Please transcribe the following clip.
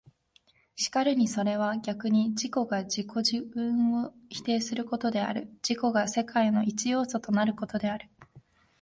然るにそれは逆に自己が自己自身を否定することである、自己が世界の一要素となることである。